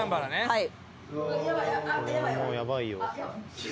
・・はい！